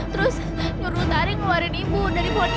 terus nyuruh utari ngeluarin ibu dari pohon ini